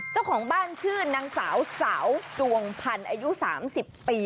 เจ้าของบ้านชื่อนางสาวสาวจวงพันธ์อายุ๓๐ปี